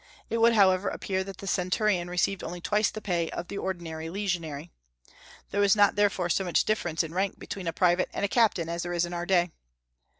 It would, however, appear that the centurion received only twice the pay of the ordinary legionary. There was not therefore so much difference in rank between a private and a captain as there is in our day.